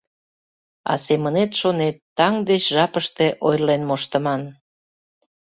А семынет шонет: «Таҥ деч жапыште ойырлен моштыман.